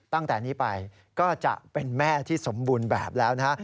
ตั้งแต่นี้ไปก็จะเป็นแม่ที่สมบูรณ์แบบแล้วนะฮะ